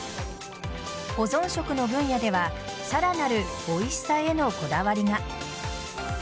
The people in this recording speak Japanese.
保存食の分野ではさらなるおいしさへのこだわりが。